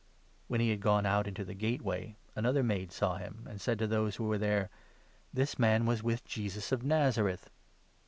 When he had gone out into the gateway, another maid saw 71 him, and said to those who were there :" This man was with Jesus of Nazareth